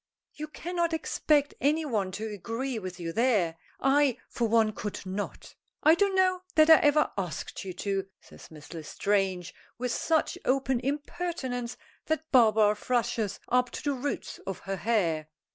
"You cannot expect any one to agree with you there. I, for one, could not." "I don't know that I ever asked you to," says Miss L'Estrange with such open impertinence that Barbara flushes up to the roots of her hair.